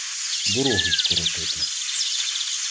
Дорогу скоротити.